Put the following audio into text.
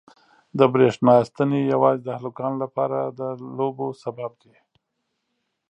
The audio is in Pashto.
د برېښنا ستنې یوازې د هلکانو لپاره د لوبو سبب دي.